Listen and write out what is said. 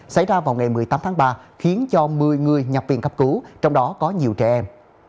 xảy ra vào ngày một mươi tám tháng ba khiến cho một mươi người nhập viện cấp cứu trong đó có nhiều trẻ em